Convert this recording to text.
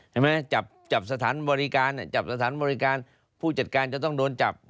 เห็นไหมจับสถานบริการจับสถานบริการผู้จัดการจะต้องโดนจับ